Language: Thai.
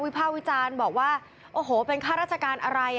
ภาควิจารณ์บอกว่าโอ้โหเป็นข้าราชการอะไร